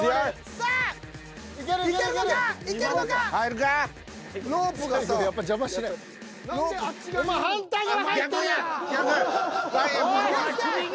さあいけるのか？